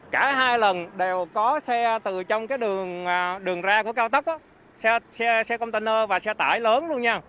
cả hai lần đều có xe từ trong cái đường đường ra của cao tốc xe container và xe tải lớn luôn nhau